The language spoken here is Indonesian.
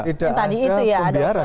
yang tadi itu ya ada